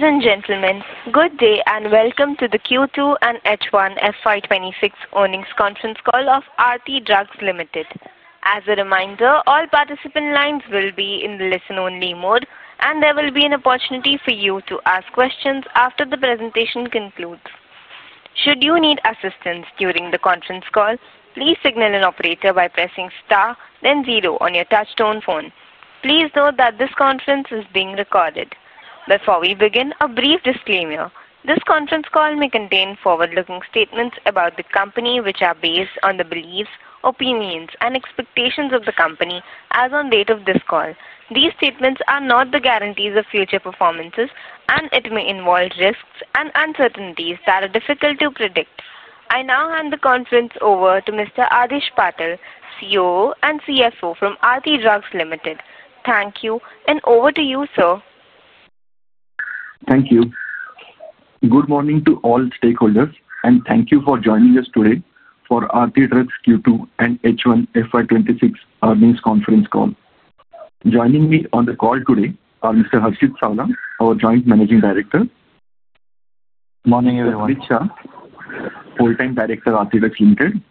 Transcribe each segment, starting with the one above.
Ladies and gentlemen, good day and welcome to the Q2 and H1 FY 2026 earnings conference call of Aarti Drugs Limited. As a reminder, all participant lines will be in the listen-only mode, and there will be an opportunity for you to ask questions after the presentation concludes. Should you need assistance during the conference call, please signal an operator by pressing star, then zero on your touch-tone phone. Please note that this conference is being recorded. Before we begin, a brief disclaimer. This conference call may contain forward-looking statements about the company, which are based on the beliefs, opinions, and expectations of the company as of the date of this call. These statements are not the guarantees of future performances, and it may involve risks and uncertainties that are difficult to predict. I now hand the conference over to Mr. Adish Patil, COO and CFO from Aarti Drugs Limited. Thank you, and over to you, sir. Thank you. Good morning to all stakeholders, and thank you for joining us today for Aarti Drugs Q2 and H1 FY 2026 earnings conference call. Joining me on the call today are Mr. Harshit Savla, our Joint Managing Director. Good morning, everyone. Mr. Richa, Full-Time Director, Aarti Drugs Limited.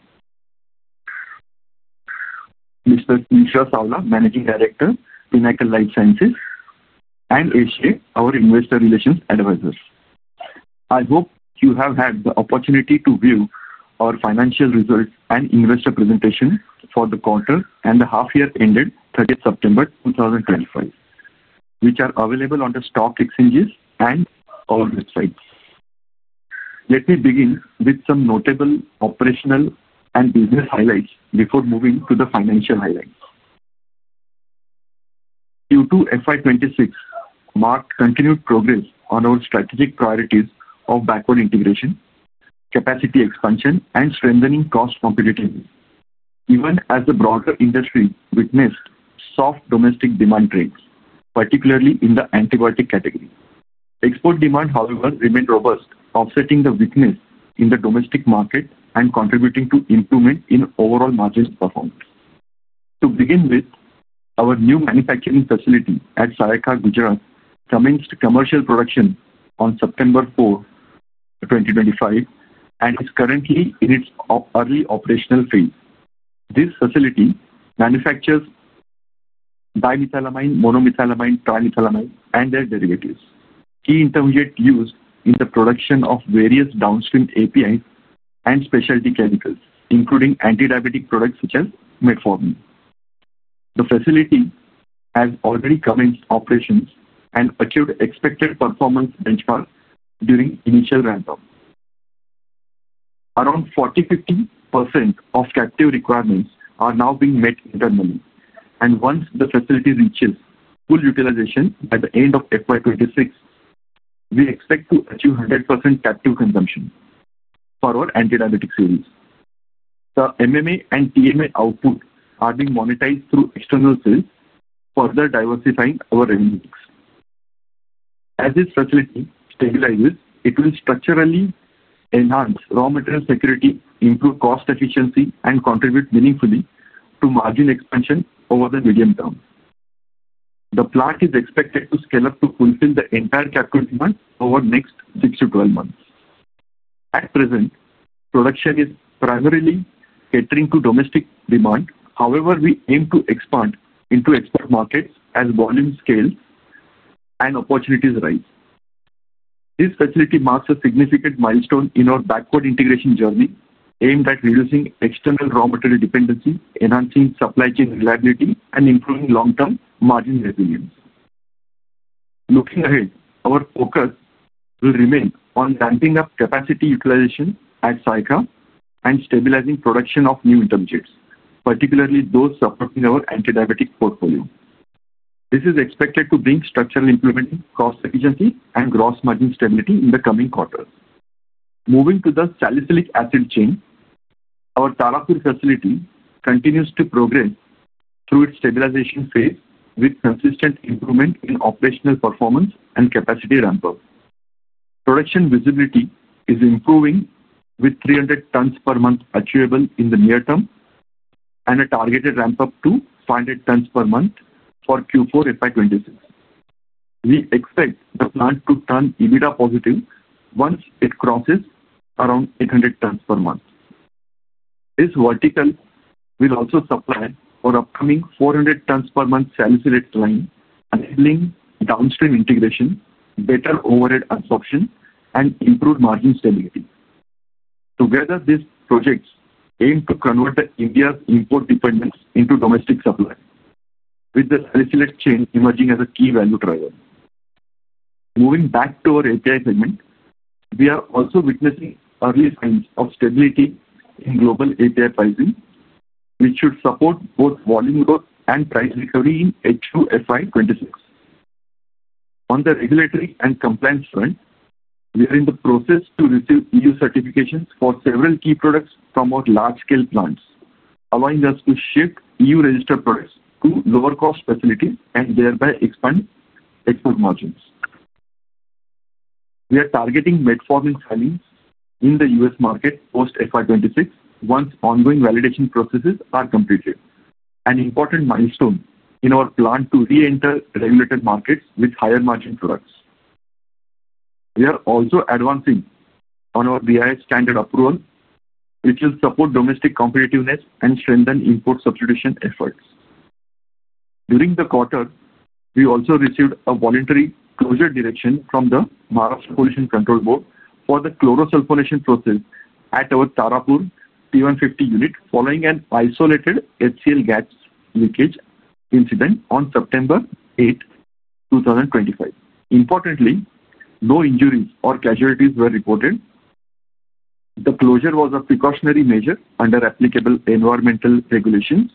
Mr. Krishna Sawla, Managing Director, Pinnacle Life Sciences. Ashley, our Investor Relations Advisor. I hope you have had the opportunity to view our financial results and investor presentation for the quarter and the half-year ended 30th September 2025, which are available on the stock exchanges and our website. Let me begin with some notable operational and business highlights before moving to the financial highlights. Q2 FY 2026 marked continued progress on our strategic priorities of backward integration, capacity expansion, and strengthening cost competitiveness, even as the broader industry witnessed soft domestic demand trends, particularly in the antibiotic category. Export demand, however, remained robust, offsetting the weakness in the domestic market and contributing to improvement in overall margin performance. To begin with, our new manufacturing facility at Saryaka, Gujarat, commenced commercial production on September 4, 2025, and is currently in its early operational phase. This facility manufactures dimethylamine, monomethylamine, trimethylamine, and their derivatives, key intermediates used in the production of various downstream APIs and specialty chemicals, including antidiabetic products such as metformin. The facility has already commenced operations and achieved expected performance benchmarks during initial ramp-up. Around 40%-50% of captive requirements are now being met internally, and once the facility reaches full utilization by the end of FY 2026, we expect to achieve 100% captive consumption for our antidiabetic series. The MMA and TMA output are being monetized through external sales, further diversifying our revenues. As this facility stabilizes, it will structurally enhance raw material security, improve cost efficiency, and contribute meaningfully to margin expansion over the medium term. The plant is expected to scale up to fulfill the entire captive demand over the next 6 to 12 months. At present, production is primarily catering to domestic demand; however, we aim to expand into export markets as volumes scale and opportunities rise. This facility marks a significant milestone in our backward integration journey, aimed at reducing external raw material dependency, enhancing supply chain reliability, and improving long-term margin resilience. Looking ahead, our focus will remain on ramping up capacity utilization at Saryaka and stabilizing production of new intermediates, particularly those supporting our antidiabetic portfolio. This is expected to bring structural improvement in cost efficiency and gross margin stability in the coming quarter. Moving to the salicylic acid chain, our Tarapur facility continues to progress through its stabilization phase, with consistent improvement in operational performance and capacity ramp-up. Production visibility is improving, with 300 tons per month achievable in the near term and a targeted ramp-up to 500 tons per month for Q4 2026. We expect the plant to turn EBITDA positive once it crosses around 800 tons per month. This vertical will also supply our upcoming 400 tons per month salicylate line, enabling downstream integration, better overhead absorption, and improved margin stability. Together, these projects aim to convert India's import dependence into domestic supply, with the salicylate chain emerging as a key value driver. Moving back to our API segment, we are also witnessing early signs of stability in global API pricing, which should support both volume growth and price recovery in H2 FY 2026. On the regulatory and compliance front, we are in the process of receiving EU certifications for several key products from our large-scale plants, allowing us to shift EU-registered products to lower-cost facilities and thereby expand export margins. We are targeting metformin selling in the US market post-FY 2026 once ongoing validation processes are completed, an important milestone in our plan to re-enter regulated markets with higher-margin products. We are also advancing on our BIS standard approval, which will support domestic competitiveness and strengthen import substitution efforts. During the quarter, we also received a voluntary closure direction from the Maharashtra Pollution Control Board for the chlorosulfonation process at our Tarapur T150 unit following an isolated HCl gas leakage incident on September 8, 2025. Importantly, no injuries or casualties were reported. The closure was a precautionary measure under applicable environmental regulations,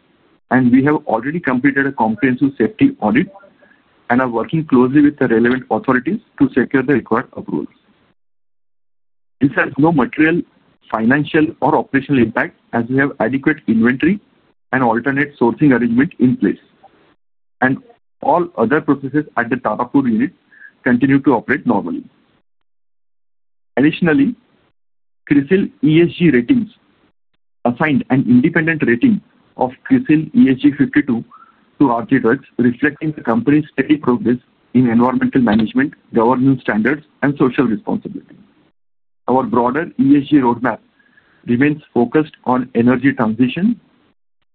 and we have already completed a comprehensive safety audit and are working closely with the relevant authorities to secure the required approvals. This has no material, financial, or operational impact, as we have adequate inventory and alternate sourcing arrangements in place, and all other processes at the Tarapur unit continue to operate normally. Additionally, Crisil ESG ratings assigned an independent rating of Crisil ESG 52 to Aarti Drugs, reflecting the company's steady progress in environmental management, governance standards, and social responsibility. Our broader ESG roadmap remains focused on energy transition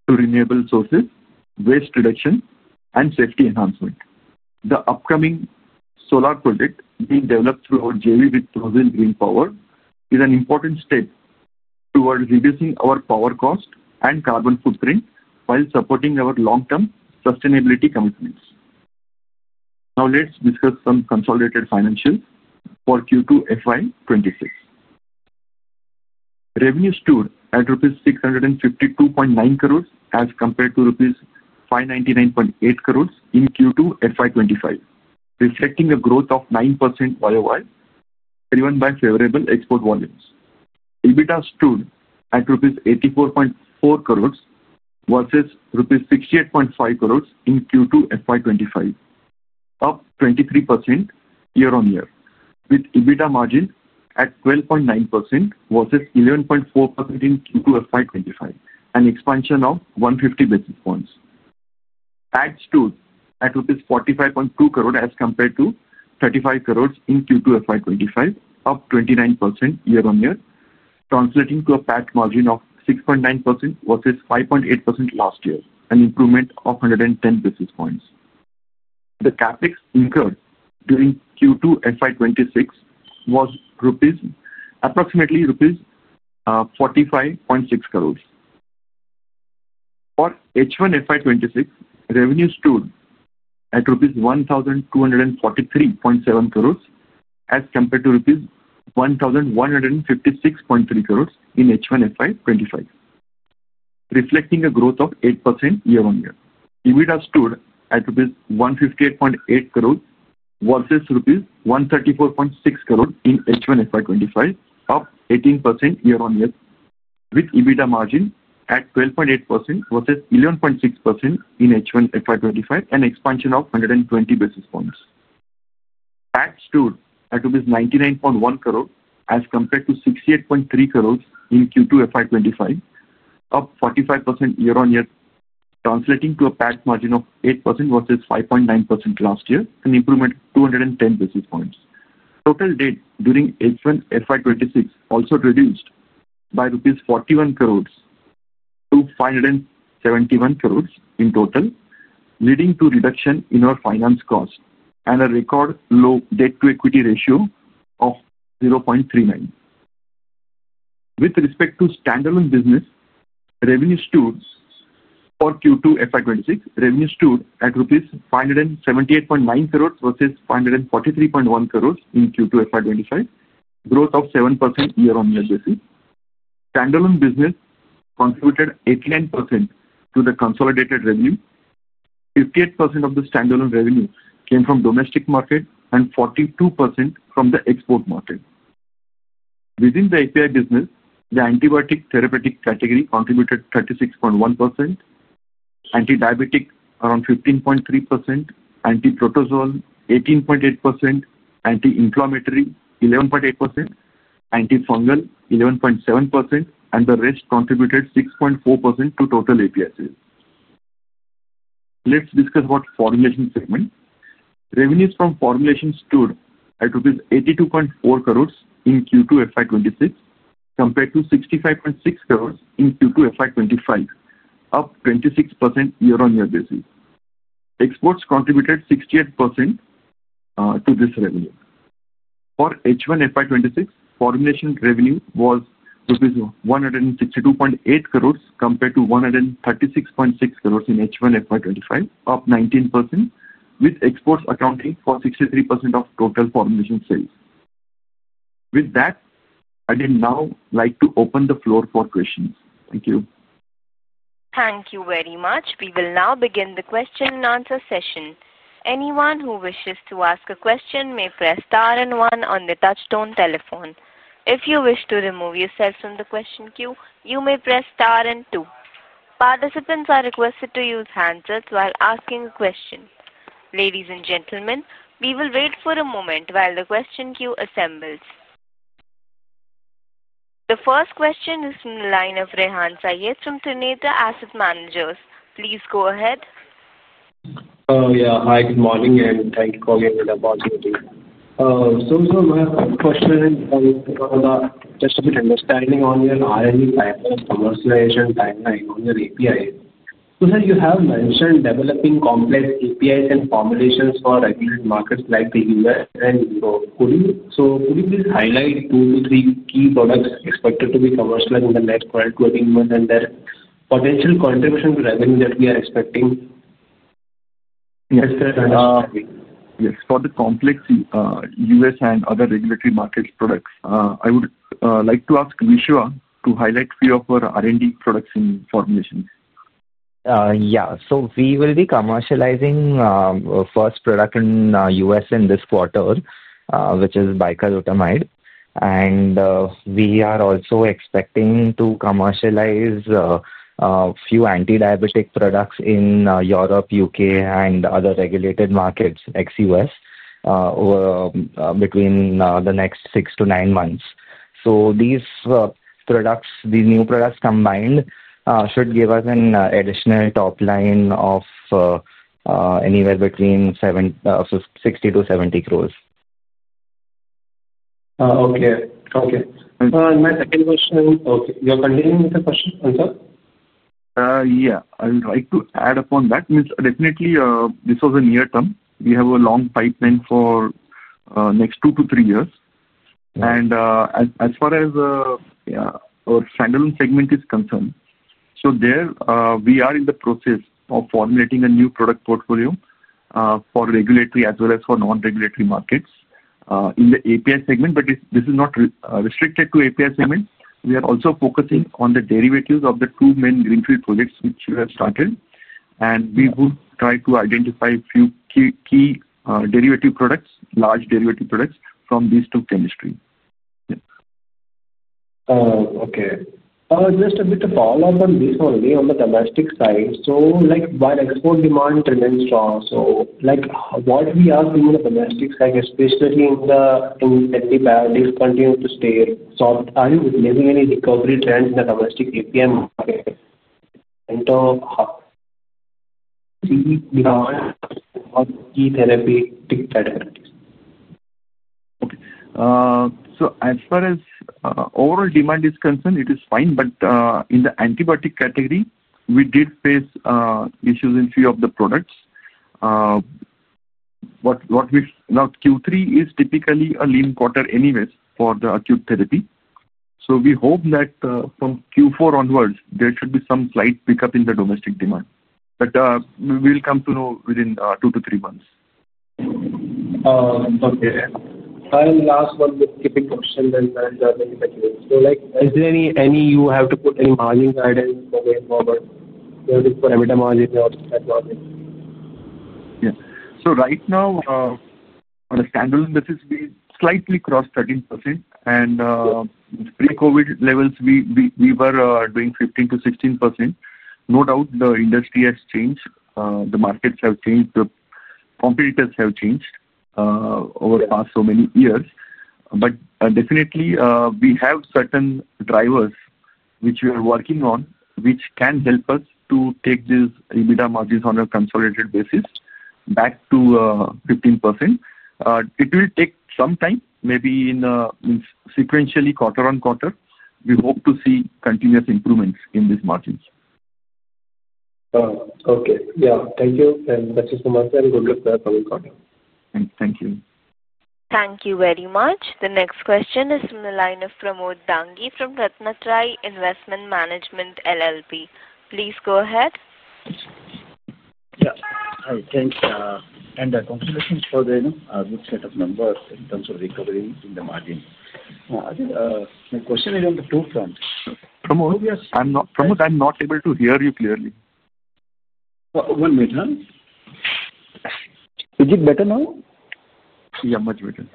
to renewable sources, waste reduction, and safety enhancement. The upcoming solar project being developed through our JV with Trosil Green Power is an important step towards reducing our power cost and carbon footprint while supporting our long-term sustainability commitments. Now, let's discuss some consolidated financials for Q2 FY 2026. Revenue stood at INR 652.9 crores as compared to INR 599.8 crores in Q2 FY 2025, reflecting a growth of 9% year-over-year, driven by favorable export volumes. EBITDA stood at rupees 84.4 crores versus rupees 68.5 crores in Q2 FY 2025, up 23% year-on-year, with EBITDA margin at 12.9% versus 11.4% in Q2 FY 2025, an expansion of 150 basis points. PAT stood at 45.2 crores as compared to 35 crores in Q2 FY 2025, up 29% year-on-year, translating to a PAT margin of 6.9% versus 5.8% last year, an improvement of 110 basis points. The CapEx incurred during Q2 FY 2026 was approximately INR 45.6 crores. For H1 FY2026, revenue stood at INR 1,243.7 crores as compared to INR 1,156.3 crores in H1 FY 2025, reflecting a growth of 8% year-on-year. EBITDA stood at rupees 158.8 crores versus rupees 134.6 crores in H1 FY 2025, up 18% year-on-year, with EBITDA margin at 12.8% versus 11.6% in H1 FY 2025, an expansion of 120 basis points. PAT stood at 99.1 crores as compared to 68.3 crores in Q2 FY 2025, up 45% year-on-year, translating to a PAT margin of 8% versus 5.9% last year, an improvement of 210 basis points. Total debt during H1 FY2026 also reduced by rupees 41 crores to 571 crores in total, leading to a reduction in our finance cost and a record-low debt-to-equity ratio of 0.39. With respect to standalone business, revenue stood for Q2 FY2026, revenue stood at rupees 578.9 crores versus 543.1 crores in Q2 FY 2025, growth of 7% year-on-year basis. Standalone business contributed 89% to the consolidated revenue. 58% of the standalone revenue came from the domestic market and 42% from the export market. Within the API business, the antibiotic therapeutic category contributed 36.1%, antidiabetic around 15.3%, antiprotozoal 18.8%, anti-inflammatory 11.8%, antifungal 11.7%, and the rest contributed 6.4% to total API sales. Let's discuss about formulation segment. Revenues from formulation stood at rupees 82.4 crores in Q2 FY 2026 compared to 65.6 crores in Q2 FY 2025, up 26% year-on-year basis. Exports contributed 68% to this revenue. For H1 FY2026, formulation revenue was rupees 162.8 crores compared to 136.6 crores in H1 FY 2025, up 19%, with exports accounting for 63% of total formulation sales. With that, I'd now like to open the floor for questions. Thank you. Thank you very much. We will now begin the question-and-answer session. Anyone who wishes to ask a question may press star and one on the touchstone telephone. If you wish to remove yourself from the question queue, you may press star and two. Participants are requested to use handsets while asking a question. Ladies and gentlemen, we will wait for a moment while the question queue assembles. The first question is from the line of Rehan Syed from Tornata Asset Managers. Please go ahead. Yeah, hi, good morning, and thank you for being with us. My first question is just a bit understanding on your R&D type and commercialization timeline on your APIs. You have mentioned developing complex APIs and formulations for regulated markets like the US and Europe. Could you please highlight two to three key products expected to be commercialized in the next 12 to 18 months and their potential contribution to revenue that we are expecting? Yes, for the complex US and other regulatory market products, I would like to ask Vishwa to highlight a few of our R&D products in formulations. Yeah, so we will be commercializing the first product in the U.S. in this quarter, which is bicalutamide. And we are also expecting to commercialize a few antidiabetic products in Europe, the U.K., and other regulated markets ex-U.S. between the next six to nine months. These products, these new products combined should give us an additional top line of anywhere between 60-70 crore. Okay, okay. My second question, okay, you're continuing with the question, Anshar? Yeah, I would like to add upon that. Definitely, this was a near term. We have a long pipeline for the next two to three years. As far as our standalone segment is concerned, there we are in the process of formulating a new product portfolio for regulatory as well as for non-regulatory markets in the API segment. This is not restricted to the API segment. We are also focusing on the derivatives of the two main greenfield projects which we have started. We will try to identify a few key derivative products, large derivative products from these two chemistries. Okay, just a bit of follow-up on this already on the domestic side. While export demand remains strong, what we are seeing on the domestic side, especially in the antibiotics, continues to stay strong. Are you witnessing any recovery trends in the domestic API market? And how key therapeutic categories? Okay, so as far as overall demand is concerned, it is fine. In the antibiotic category, we did face issues in a few of the products. Now, Q3 is typically a lean quarter anyways for the acute therapy. We hope that from Q4 onwards, there should be some slight pickup in the domestic demand. We will come to know within two to three months. Okay, I'll ask one keeping question then manage that. So is there any, you have to put any margin guidance going forward for every margin or margin? Yeah, so right now, on a standalone basis, we slightly crossed 13%. Pre-COVID levels, we were doing 15-16%. No doubt, the industry has changed. The markets have changed. The competitors have changed over the past so many years. Definitely, we have certain drivers which we are working on, which can help us to take these EBITDA margins on a consolidated basis back to 15%. It will take some time, maybe sequentially quarter on quarter. We hope to see continuous improvements in these margins. Okay, yeah, thank you. That's just one more thing. Good luck for the coming quarter. Thank you. Thank you very much. The next question is from the line of Pramod Dangi from Ratnatrayi Investment Management LLP. Please go ahead. Yeah, hi, thanks. Congratulations for the good set of numbers in terms of recovery in the margins. My question is on the two front. Pramod, I'm not able to hear you clearly. One minute. Is it better now? Yeah, much better.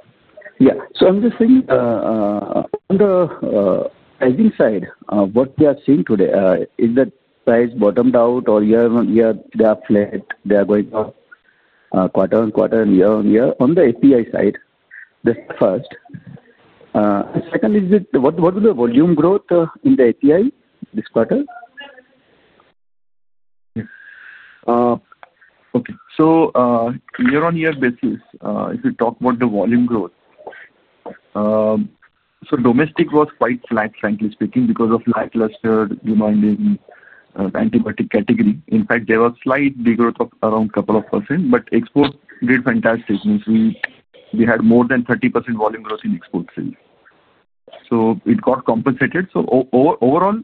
Yeah, so I'm just saying on the pricing side, what we are seeing today is that price bottomed out or year-on-year, they are flat. They are going up quarter on quarter and year-on-year on the API side. That's the first. Second, what was the volume growth in the API this quarter? Okay, so year-on-year basis, if we talk about the volume growth, domestic was quite flat, frankly speaking, because of lackluster demand in the antibiotic category. In fact, there was slight growth of around a couple of percent, but export did fantastic. We had more than 30% volume growth in export sales. It got compensated. Overall,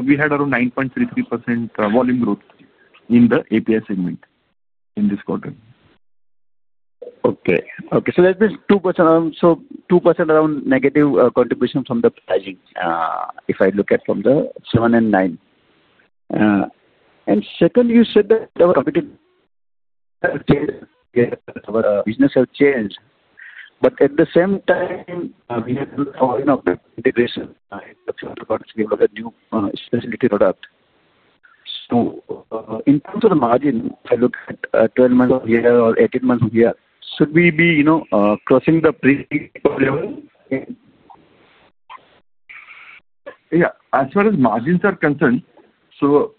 we had around 9.33% volume growth in the API segment in this quarter. Okay, okay, so there's been 2% around negative contribution from the pricing, if I look at from the seven and nine. Second, you said that our business has changed. At the same time, we have to fall in our integration. The products give us a new specialty product. In terms of the margin, if I look at 12 months of year or 18 months of year, should we be crossing the pre-level? Yeah, as far as margins are concerned,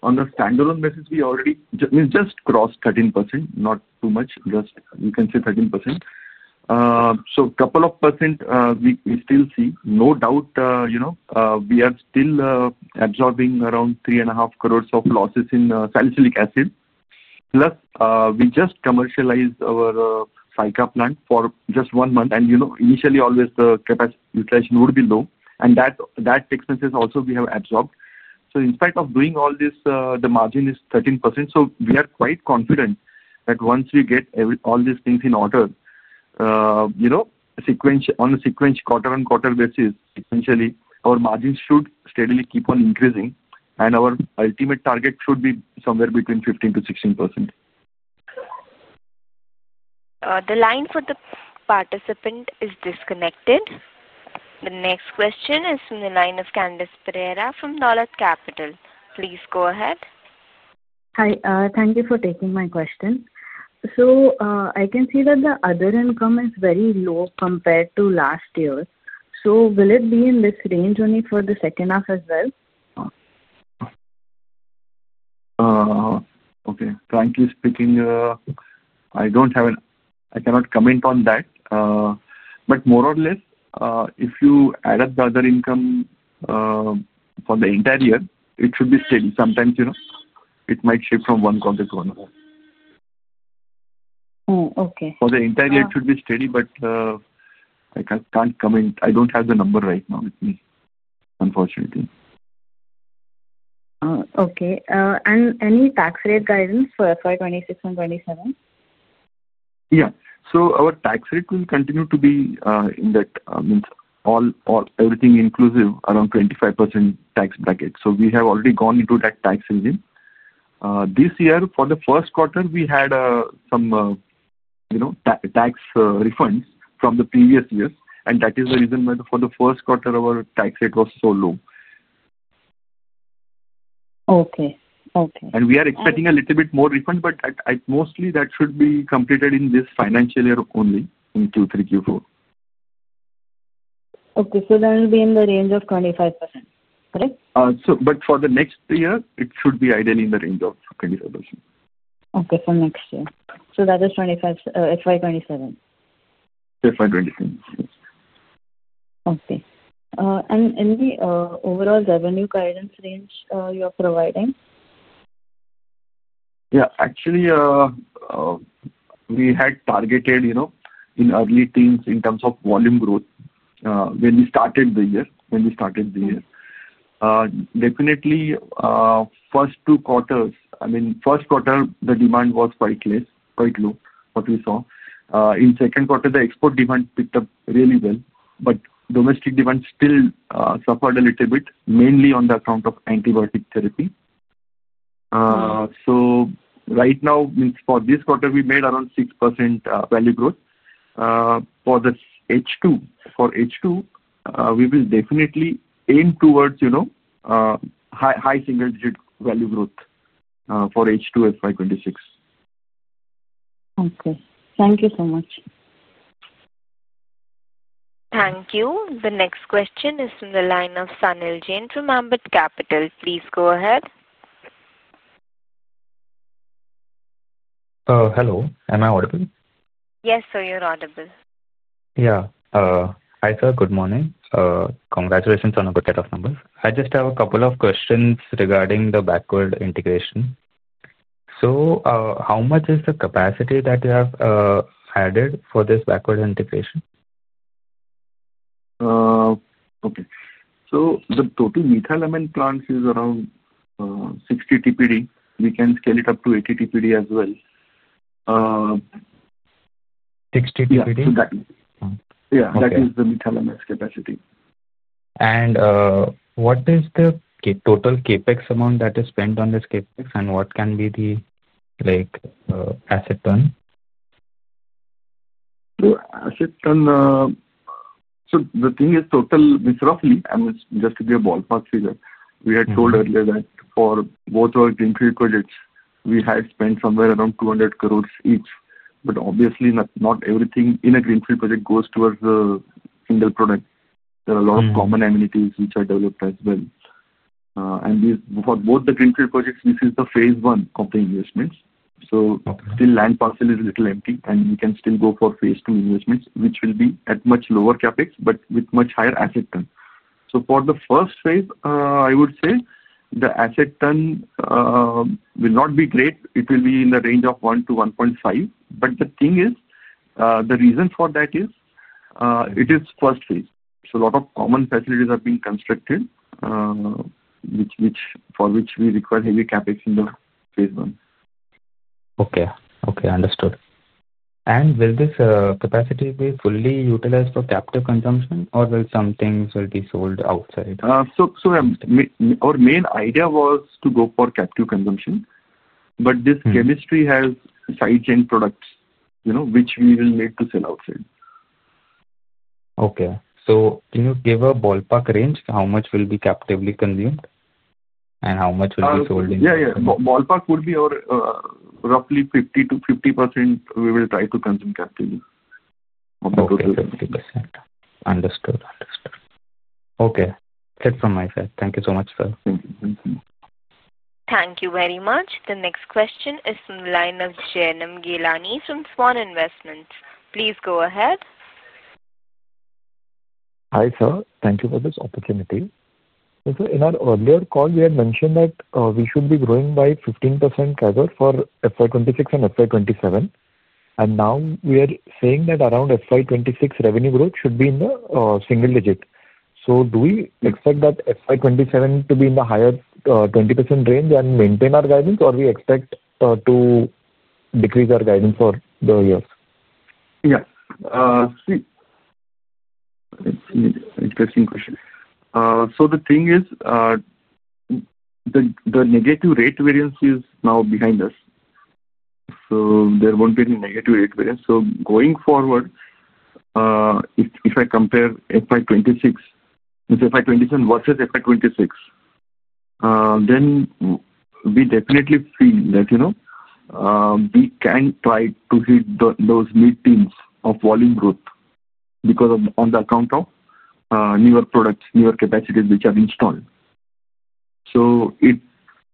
on the standalone basis, we already just crossed 13%, not too much. Just you can say 13%. A couple of percent we still see. No doubt, we are still absorbing around 3.5 crore of losses in salicylic acid. Plus, we just commercialized our Saryaka plant for just one month. Initially, always the capacity utilization would be low. That expenses also we have absorbed. In spite of doing all this, the margin is 13%. We are quite confident that once we get all these things in order, on a sequence quarter on quarter basis, sequentially, our margins should steadily keep on increasing. Our ultimate target should be somewhere between 15%-16%. The line for the participant is disconnected. The next question is from the line of Candice Pereira from Dolat Capital. Please go ahead. Hi, thank you for taking my question. I can see that the other income is very low compared to last year. Will it be in this range only for the second half as well? Okay, frankly speaking, I don't have an, I cannot comment on that. More or less, if you add up the other income for the entire year, it should be steady. Sometimes it might shift from one quarter to another. Oh, okay. For the entire year, it should be steady, but I can't comment. I don't have the number right now with me, unfortunately. Okay, and any tax rate guidance for FY 2026 and FY 2027? Yeah, so our tax rate will continue to be in that, everything inclusive, around 25% tax bracket. We have already gone into that tax regime. This year, for the first quarter, we had some tax refunds from the previous years. That is the reason why for the first quarter, our tax rate was so low. Okay, okay. We are expecting a little bit more refund, but mostly that should be completed in this financial year only in Q3, Q4. Okay, so that will be in the range of 25%, correct? For the next year, it should be ideally in the range of 25%. Okay, for next year. So that is FY 2027? FY 2027, yes. Okay, and in the overall revenue guidance range you are providing? Yeah, actually, we had targeted in early teams in terms of volume growth when we started the year. When we started the year, definitely first two quarters, I mean, first quarter, the demand was quite low, what we saw. In second quarter, the export demand picked up really well. Domestic demand still suffered a little bit, mainly on the account of antibiotic therapy. Right now, for this quarter, we made around 6% value growth. For the H2, we will definitely aim towards high single-digit value growth for H2 FY 2026. Okay, thank you so much. Thank you. The next question is from the line of Sanil Jain from Ambit Capital. Please go ahead. Hello, am I audible? Yes, sir, you're audible. Yeah, hi sir, good morning. Congratulations on a good set of numbers. I just have a couple of questions regarding the backward integration. How much is the capacity that you have added for this backward integration? Okay, so the total methylamine plant is around 60 TPD. We can scale it up to 80 TPD as well. 60 TPD? Yeah, so that is the methylamine's capacity. What is the total CapEx amount that is spent on this CapEx, and what can be the asset turn? The thing is, total, roughly, I mean, just to give a ballpark figure, we had told earlier that for both our greenfield projects, we had spent somewhere around 200 crore each. Obviously, not everything in a greenfield project goes towards the single product. There are a lot of common amenities which are developed as well. For both the greenfield projects, this is the phase I of the investments. Still, the land parcel is a little empty, and we can still go for phase II investments, which will be at much lower CapEx but with much higher asset turn. For the first phase, I would say the asset turn will not be great. It will be in the range of 1-1.5. The thing is, the reason for that is it is first phase. A lot of common facilities have been constructed, for which we require heavy CapEx in the phase I. Okay, okay, understood. Will this capacity be fully utilized for captive consumption, or will some things be sold outside? Our main idea was to go for captive consumption. But this chemistry has side-chain products which we will need to sell outside. Okay, so can you give a ballpark range? How much will be captively consumed and how much will be sold in? Yeah, yeah, ballpark would be roughly 50%-50% we will try to consume captively. Okay, 50%-50%. Understood, understood. Okay, that's it from my side. Thank you so much, sir. Thank you. Thank you. Thank you very much. The next question is from the line of Jainam Ghelani from Svan Investments. Please go ahead. Hi sir, thank you for this opportunity. In our earlier call, we had mentioned that we should be growing by 15% for FY 2026 and FY 2027. Now we are saying that around FY 2026, revenue growth should be in the single digit. Do we expect that FY 2027 to be in the higher 20% range and maintain our guidance, or do we expect to decrease our guidance for the years? Yeah, let's see. Interesting question. The thing is, the negative rate variance is now behind us. There won't be any negative rate variance. Going forward, if I compare FY 2025 versus FY 2026, then we definitely feel that we can try to hit those mid-teens of volume growth because on the account of newer products, newer capacities which are installed.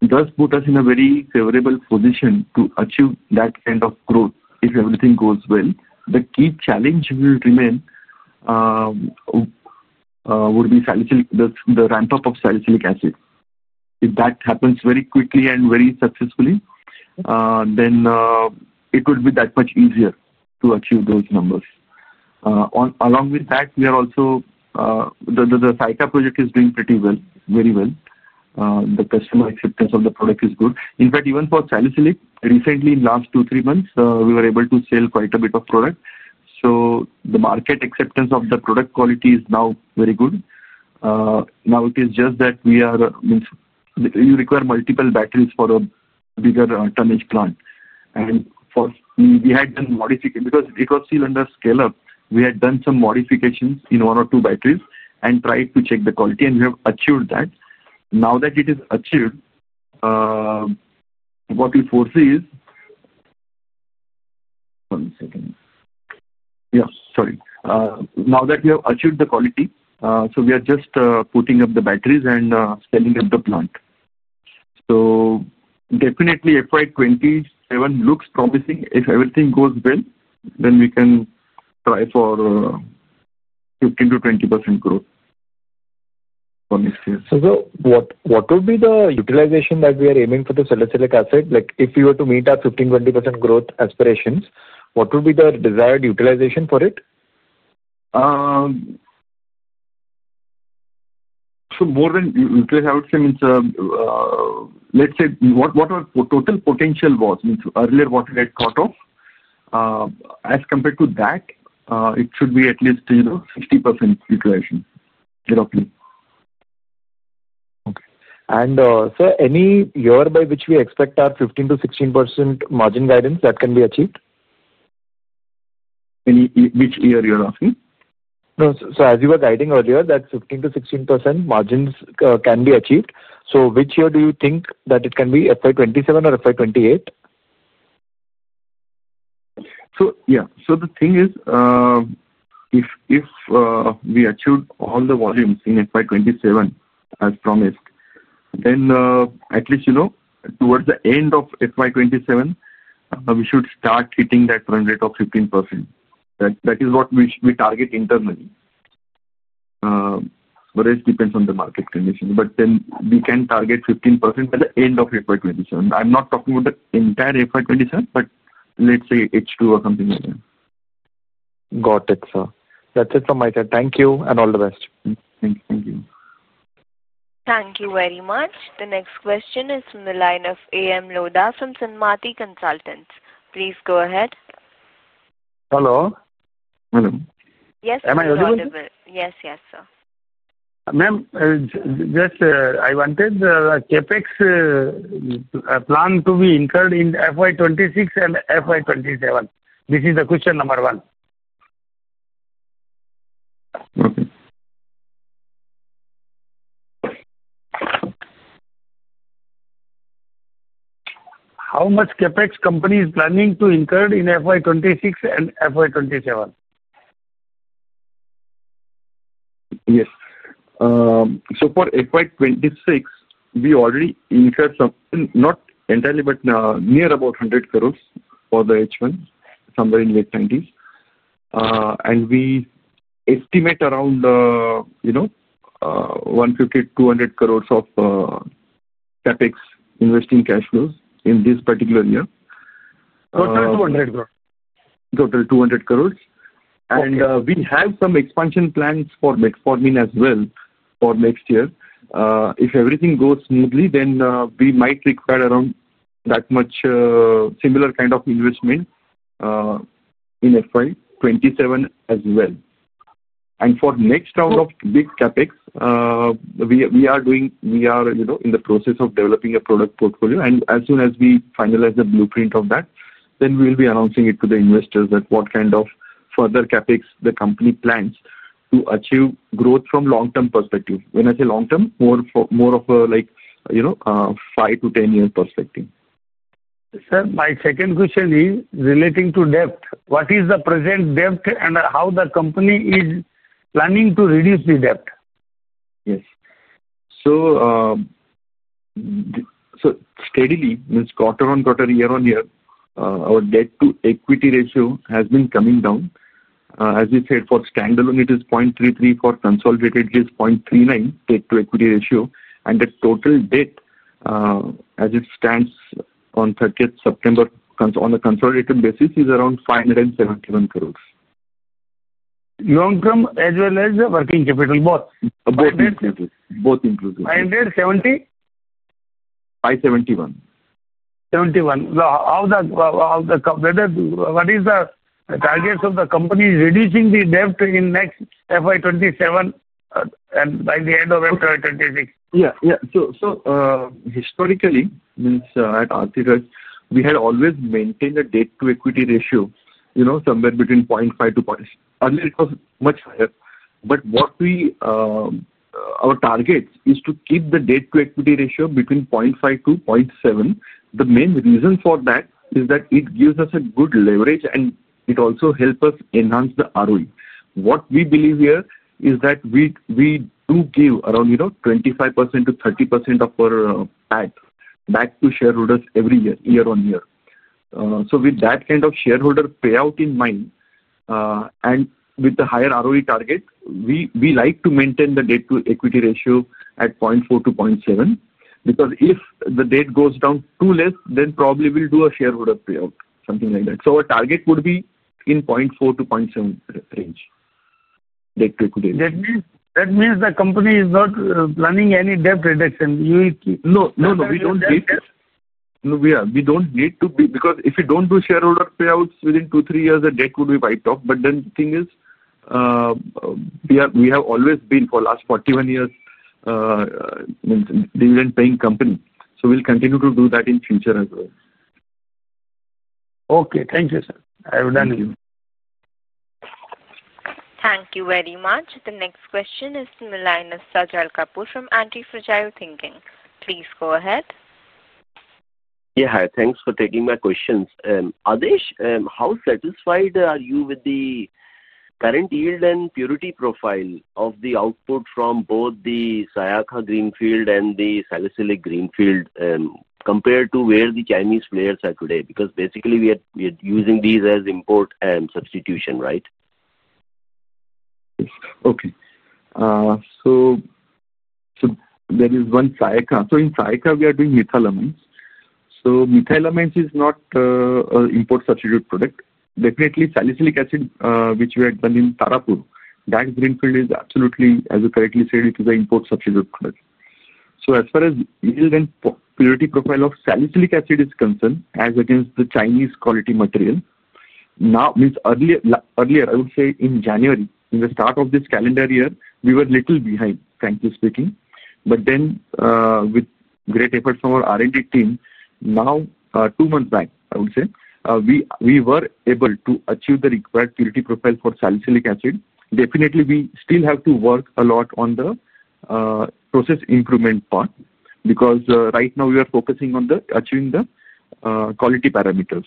It does put us in a very favorable position to achieve that kind of growth if everything goes well. The key challenge will remain the ramp-up of salicylic acid. If that happens very quickly and very successfully, then it would be that much easier to achieve those numbers. Along with that, the Saryaka project is doing pretty well, very well. The customer acceptance of the product is good. In fact, even for salicylic, recently, in the last two, three months, we were able to sell quite a bit of product. The market acceptance of the product quality is now very good. Now it is just that you require multiple batteries for a bigger tonnage plant. We had done modification because it was still under scale-up. We had done some modifications in one or two batteries and tried to check the quality, and we have achieved that. Now that it is achieved, what we foresee is one second. Yeah, sorry. Now that we have achieved the quality, we are just putting up the batteries and scaling up the plant. Definitely, FY 2027 looks promising. If everything goes well, then we can try for 15%-20% growth for next year. What would be the utilization that we are aiming for the salicylic acid? If we were to meet our 15%-20% growth aspirations, what would be the desired utilization for it? More than utilization, I would say, let's say what our total potential was, earlier what we had thought of, as compared to that, it should be at least 60% utilization. Okay, and so any year by which we expect our 15%-16% margin guidance, that can be achieved? Which year you're asking? As you were guiding earlier, that 15%-16% margins can be achieved. Which year do you think that it can be, FY 2027 or FY 2028? Yeah, the thing is, if we achieved all the volumes in FY 2027 as promised, then at least towards the end of FY 2027, we should start hitting that run rate of 15%. That is what we target internally. It depends on the market condition. We can target 15% by the end of FY 2027. I'm not talking about the entire FY 2027, but let's say H2 or something like that. Got it, sir. That's it from my side. Thank you and all the best. Thank you. Thank you very much. The next question is from the line of A.M. Lodha from Sanmati Consultants. Please go ahead. Hello? Hello. Yes, sir. Am I audible? Yes, yes, sir. Ma'am, just I wanted the CapEx plan to be incurred in FY 2026 and FY 2027. This is the question number one. How much CapEx company is planning to incur in FY 2026 and FY 2027? Yes. For FY 2026, we already incurred something, not entirely, but near about 100 crore for the H1, somewhere in late 90s. We estimate around 150-200 crore of CapEx investing cash flows in this particular year. Total 200 crore? Total 200 crore. We have some expansion plans for next for me as well for next year. If everything goes smoothly, we might require around that much similar kind of investment in FY 2027 as well. For next round of big CapEx, we are in the process of developing a product portfolio. As soon as we finalize the blueprint of that, we will be announcing it to the investors, what kind of further CapEx the company plans to achieve growth from long-term perspective. When I say long-term, more of a 5-10 year perspective. Sir, my second question is relating to debt. What is the present debt and how the company is planning to reduce the debt? Yes. So steadily, quarter on quarter, year on year, our debt-to-equity ratio has been coming down. As we said, for standalone, it is 0.33; for consolidated, it is 0.39 debt-to-equity ratio. The total debt, as it stands on 30th September, on a consolidated basis, is around 571 crore. Long-term as well as working capital, both? Both inclusive. 570? 571. 71. What is the targets of the company reducing the debt in next FY 2027 and by the end of FY 2026? Yeah, yeah. Historically, at Aarti Drugs, we had always maintained a debt-to-equity ratio somewhere between 0.5-0.7. Earlier, it was much higher. What our target is to keep the debt-to-equity ratio between 0.5-0.7. The main reason for that is that it gives us good leverage, and it also helps us enhance the ROE. What we believe here is that we do give around 25%-30% of our PAT back to shareholders every year, year on year. With that kind of shareholder payout in mind and with the higher ROE target, we like to maintain the debt-to-equity ratio at 0.4-0.7. Because if the debt goes down too less, then probably we will do a shareholder payout, something like that. Our target would be in the 0.4-0.7 range, debt-to-equity ratio. That means the company is not planning any debt reduction. You will keep. No, no, no. We don't need to. No? Yeah, we don't need to. Because if you don't do shareholder payouts within two, three years, the debt would be wiped off. The thing is, we have always been for the last 41 years a dividend-paying company. We will continue to do that in future as well. Okay, thank you, sir. I have done it. Thank you very much. The next question is from the line of Sajal Kapoor from Antifragile Thinking. Please go ahead. Yeah, hi. Thanks for taking my questions. Adhish, how satisfied are you with the current yield and purity profile of the output from both the Saryaka Greenfield and the salicylic Greenfield compared to where the Chinese players are today? Because basically, we are using these as import and substitution, right? Yes. Okay. So there is one Saryaka. So in Saryaka, we are doing methylamines. So methylamines is not an import substitute product. Definitely, salicylic acid, which we had done in Tarapur, that Greenfield is absolutely, as you correctly said, it is an import substitute product. As far as yield and purity profile of salicylic acid is concerned, as against the Chinese quality material, now, I mean, earlier, I would say in January, in the start of this calendar year, we were a little behind, frankly speaking. With great effort from our R&D team, now two months back, I would say, we were able to achieve the required purity profile for salicylic acid. Definitely, we still have to work a lot on the process improvement part because right now we are focusing on achieving the quality parameters.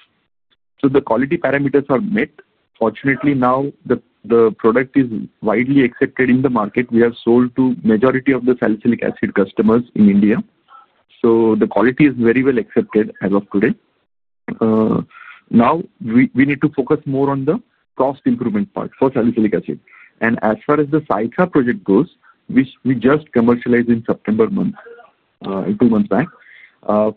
The quality parameters are met. Fortunately, now the product is widely accepted in the market. We have sold to the majority of the salicylic acid customers in India. The quality is very well accepted as of today. Now we need to focus more on the cost improvement part for salicylic acid. As far as the Saryaka project goes, which we just commercialized in September month, two months back,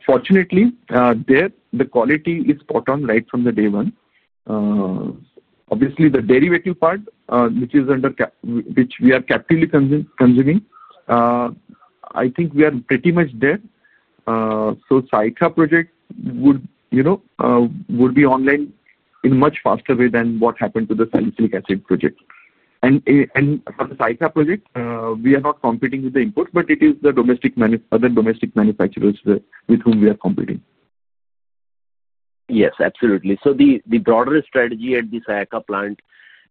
fortunately, the quality is spot on right from day one. Obviously, the derivative part, which we are captively consuming, I think we are pretty much there. The Saryaka project would be online in a much faster way than what happened to the salicylic acid project. For the Saryaka project, we are not competing with the import, but it is the other domestic manufacturers with whom we are competing. Yes, absolutely. The broader strategy at the Saryaka plant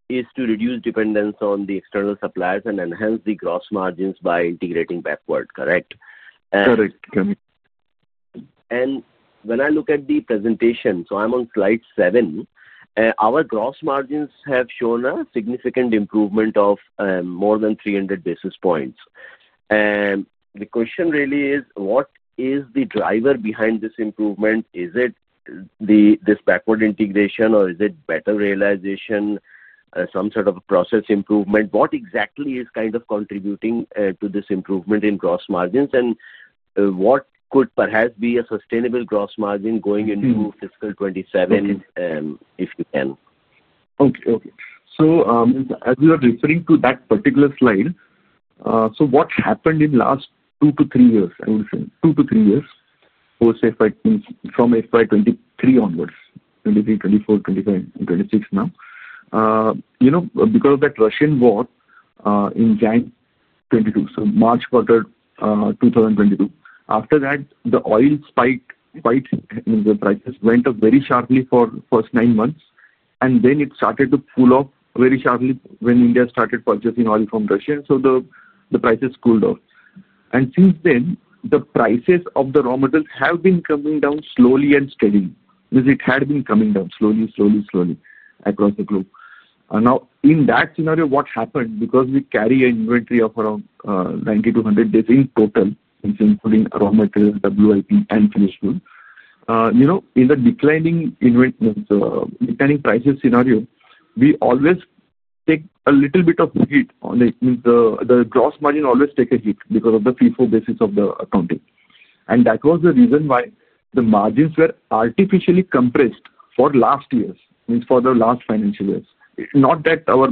is to reduce dependence on external suppliers and enhance the gross margins by integrating backward, correct? Correct. When I look at the presentation, I am on slide seven, our gross margins have shown a significant improvement of more than 300 basis points. The question really is, what is the driver behind this improvement? Is it this backward integration, or is it better realization, some sort of process improvement? What exactly is kind of contributing to this improvement in gross margins? What could perhaps be a sustainable gross margin going into fiscal 2027, if you can? Okay. Okay. As you are referring to that particular slide, what happened in the last two to three years, I would say, from financial year 2023 onwards, 2023, 2024, 2025, and 2026 now, because of that Russian war in January 2022, so March quarter 2022, after that, the oil spiked quite—the prices went up very sharply for the first nine months. Then it started to cool off very sharply when India started purchasing oil from Russia. The prices cooled off. Since then, the prices of the raw metals have been coming down slowly and steadily. It had been coming down slowly, slowly, slowly across the globe. Now, in that scenario, what happened? Because we carry an inventory of around 90-100 days in total, including raw materials, WIP, and finished goods, in the declining prices scenario, we always take a little bit of heat. The gross margin always takes a hit because of the FIFO basis of the accounting. That was the reason why the margins were artificially compressed for last years, means for the last financial years. Not that our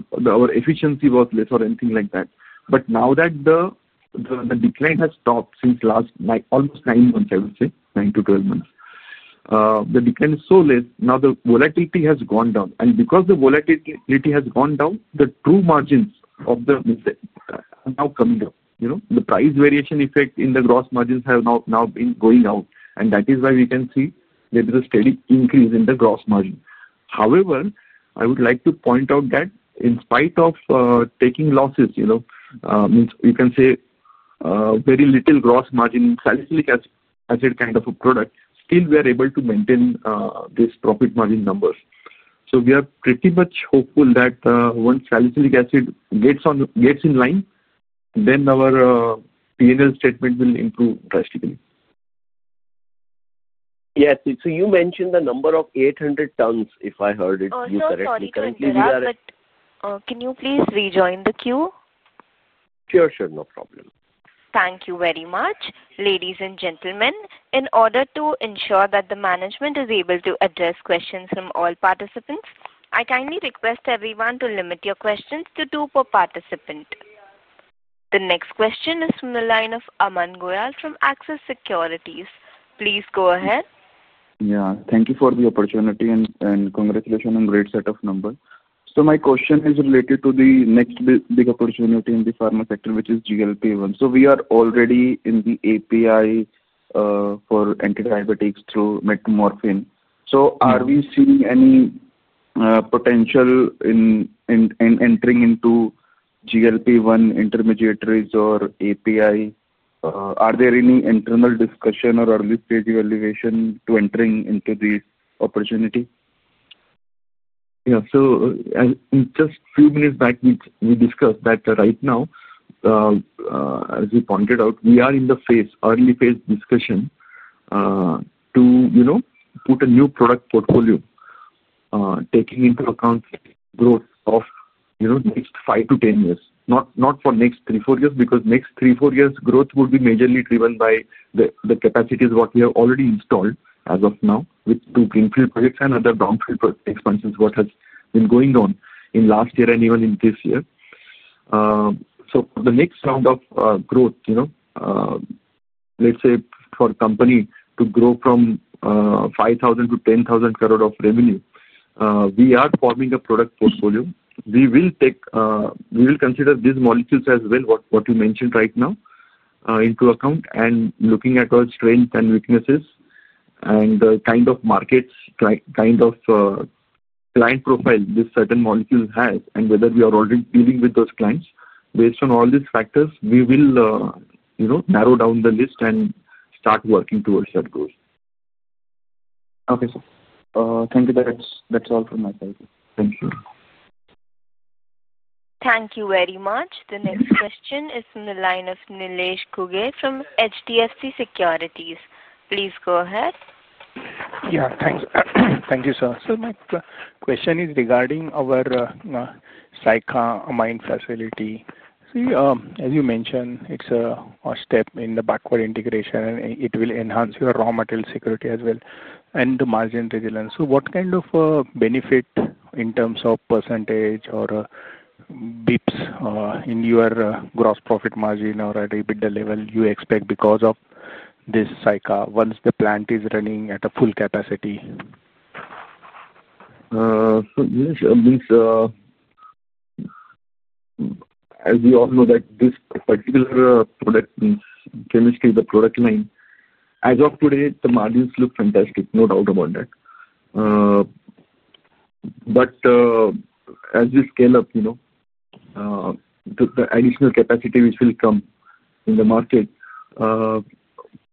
efficiency was less or anything like that. Now that the decline has stopped since last almost nine months, I would say, 9-12 months, the decline is so less, now the volatility has gone down. Because the volatility has gone down, the true margins of the means are now coming up. The price variation effect in the gross margins has now been going out. That is why we can see there is a steady increase in the gross margin. However, I would like to point out that in spite of taking losses, means you can say very little gross margin, salicylic acid kind of a product, still we are able to maintain these profit margin numbers. We are pretty much hopeful that once salicylic acid gets in line, then our P&L statement will improve drastically. Yes. You mentioned the number of 800 tons, if I heard it correctly. Currently, we are. Can you please rejoin the queue? Sure, sure. No problem. Thank you very much. Ladies and gentlemen, in order to ensure that the management is able to address questions from all participants, I kindly request everyone to limit your questions to two per participant. The next question is from the line of Aman Goyal from Access Securities. Please go ahead. Yeah. Thank you for the opportunity and congratulations on a great set of numbers. My question is related to the next big opportunity in the pharma sector, which is GLP-1. We are already in the API for anti-diabetics through metformin. Are we seeing any potential in entering into GLP-1 intermediaries or API? Are there any internal discussion or early-stage evaluation to entering into this opportunity? Yeah. So just a few minutes back, we discussed that right now, as you pointed out, we are in the early-phase discussion to put a new product portfolio, taking into account growth of next 5 to 10 years. Not for next three, four years, because next three, four years, growth would be majorly driven by the capacities what we have already installed as of now with two Greenfield projects and other Brownfield expansions, what has been going on in last year and even in this year. For the next round of growth, let's say for a company to grow from 5,000 crore to 10,000 crore of revenue, we are forming a product portfolio. We will consider these molecules as well, what you mentioned right now, into account and looking at our strengths and weaknesses and the kind of markets, kind of client profile this certain molecule has, and whether we are already dealing with those clients. Based on all these factors, we will narrow down the list and start working towards that goal. Okay, sir. Thank you. That's all from my side. Thank you. Thank you very much. The next question is from the line of Nilesh Kugel from HDFC Securities. Please go ahead. Yeah. Thank you, sir. My question is regarding our Saryaka facility. See, as you mentioned, it's a step in the backward integration, and it will enhance your raw material security as well and the margin resilience. What kind of benefit in terms of percentage or basis points in your gross profit margin or at EBITDA level do you expect because of this Saryaka once the plant is running at full capacity? Nilesh, as we all know, that this particular product means chemistry, the product line, as of today, the margins look fantastic, no doubt about that. As we scale up, the additional capacity which will come in the market,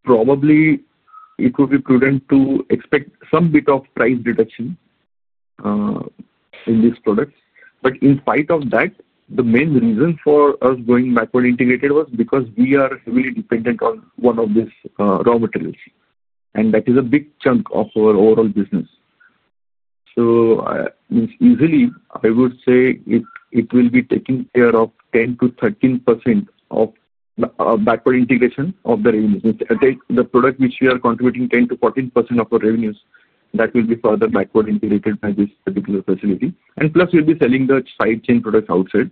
probably it would be prudent to expect some bit of price deduction in this product. In spite of that, the main reason for us going backward integrated was because we are heavily dependent on one of these raw materials. That is a big chunk of our overall business. Easily, I would say it will be taking care of 10%-13% of backward integration of the revenues. The product which we are contributing 10%-14% of our revenues, that will be further backward integrated by this particular facility. Plus, we'll be selling the side chain products outside,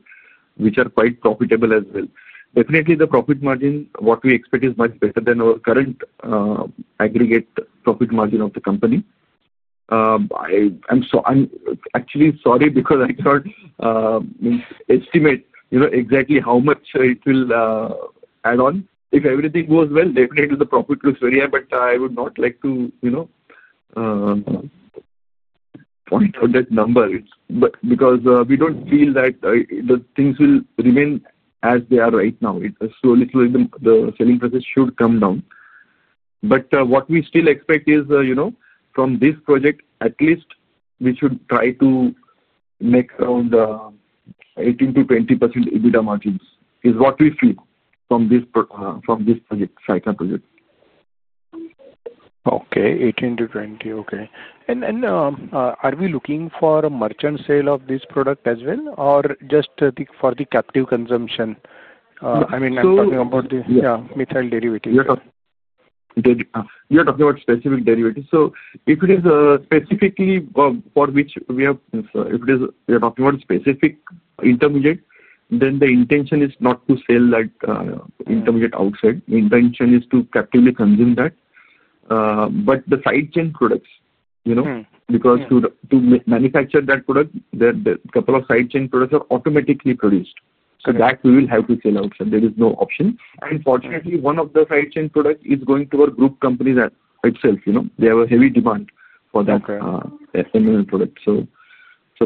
which are quite profitable as well. Definitely, the profit margin, what we expect is much better than our current aggregate profit margin of the company. I'm actually sorry because I can't estimate exactly how much it will add on. If everything goes well, definitely the profit looks very high. I would not like to point out that number because we don't feel that the things will remain as they are right now. Slowly, slowly, the selling process should come down. What we still expect is from this project, at least we should try to make around 18%-20% EBITDA margins is what we see from this project, Saryaka project. Okay. 18-20. Okay. Are we looking for a merchant sale of this product as well, or just for the captive consumption? I mean, I'm talking about the, yeah, methyl derivatives. You're talking about specific derivatives. If it is specifically for which we have, if we are talking about specific intermediate, then the intention is not to sell that intermediate outside. The intention is to captively consume that. The side chain products, because to manufacture that product, there are a couple of side chain products that are automatically produced. That we will have to sell outside. There is no option. Fortunately, one of the side chain products is going to our group company itself. They have a heavy demand for that SMM product.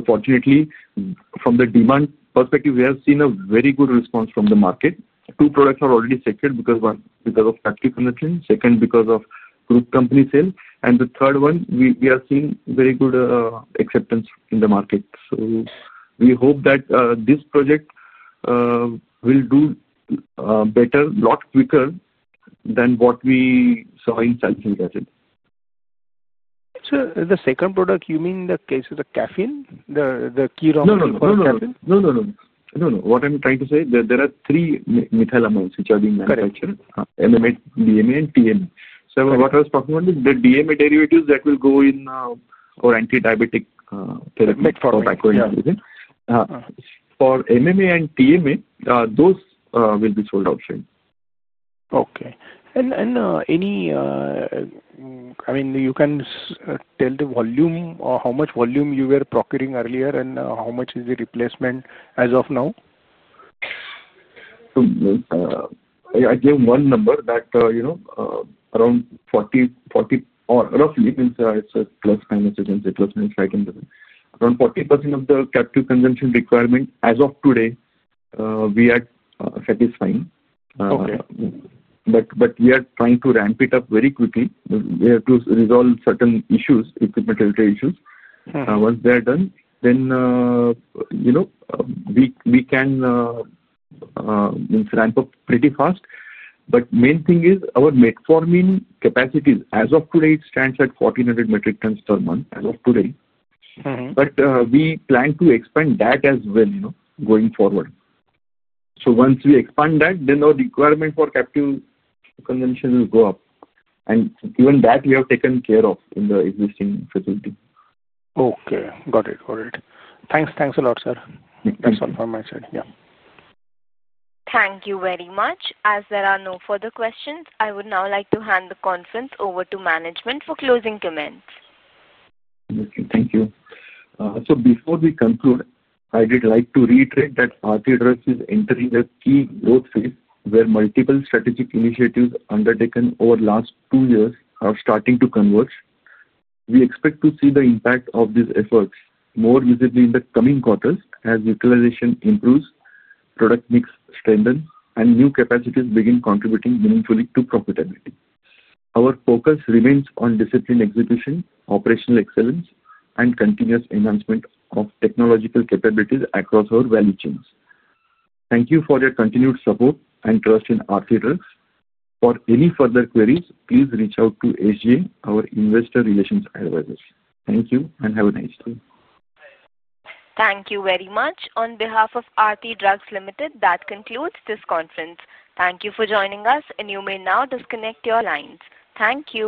Fortunately, from the demand perspective, we have seen a very good response from the market. Two products are already secured because of captive consumption. Second, because of group company sale. The third one, we are seeing very good acceptance in the market. We hope that this project will do better, a lot quicker than what we saw in salicylic acid. The second product, you mean the case of the caffeine, the key raw material for caffeine? No, no, no. What I'm trying to say, there are three methyl amines which are being manufactured: MMA, DMA, and TMA. What I was talking about is the DMA derivatives that will go in our antidiabetic therapy for backward integration. For MMA and TMA, those will be sold outside. Okay. I mean, you can tell the volume, how much volume you were procuring earlier, and how much is the replacement as of now? I gave one number that around 40, or roughly, it's a plus minus, you can say plus minus 5%. Around 40% of the captive consumption requirement as of today, we are satisfying. We are trying to ramp it up very quickly. We have to resolve certain issues, equipment-related issues. Once they are done, we can ramp up pretty fast. The main thing is our metformin capacity as of today, it stands at 1,400 metric tons per month as of today. We plan to expand that as well going forward. Once we expand that, our requirement for captive consumption will go up. Even that, we have taken care of in the existing facility. Okay. Got it. Got it. Thanks. Thanks a lot, sir. That's all from my side. Yeah. Thank you very much. As there are no further questions, I would now like to hand the conference over to management for closing comments. Thank you. So before we conclude, I would like to reiterate that Aarti Drugs is entering a key growth phase where multiple strategic initiatives undertaken over the last two years are starting to converge. We expect to see the impact of these efforts more visibly in the coming quarters as utilization improves, product mix strengthens, and new capacities begin contributing meaningfully to profitability. Our focus remains on discipline execution, operational excellence, and continuous enhancement of technological capabilities across our value chains. Thank you for your continued support and trust in Aarti Drugs. For any further queries, please reach out to SGA, our investor relations advisor. Thank you and have a nice day. Thank you very much. On behalf of Aarti Drugs Limited, that concludes this conference. Thank you for joining us, and you may now disconnect your lines. Thank you.